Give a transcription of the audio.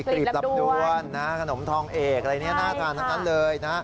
กลีบลำดวนขนมทองเอกอย่างนี้หน้ากันนั้นเลย